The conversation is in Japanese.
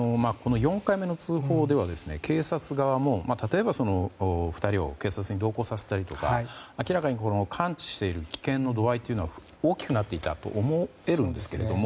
４回目の通報では警察側も例えば２人を警察に同行させたり明らかに感知している危険の度合いは大きくなっていたと思えるんですけど。